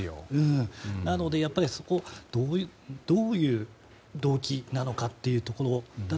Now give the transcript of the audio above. なので、どういう動機なのかというところ。